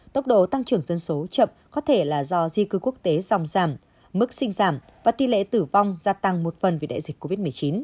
tốc độ tăng trưởng dân số chậm có thể là do di cư quốc tế dòng giảm mức sinh giảm và tỷ lệ tử vong gia tăng một phần vì đại dịch covid một mươi chín